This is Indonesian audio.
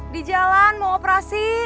di jalan mau operasi